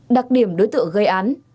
đặc điểm đối tượng gây án